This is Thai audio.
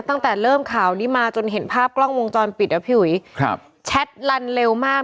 ตั้งแต่เริ่มข่าวนี้มาจนเห็นภาพกล้องวงจรปิดอ่ะพี่อุ๋ยครับแชทลันเร็วมาก